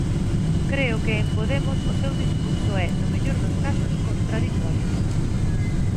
Creo que en Podemos o seu discurso é, no mellor dos casos, contraditorio.